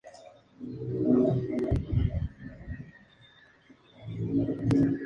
Actualmente es Director General de la Fundación Rafael Preciado Hernández.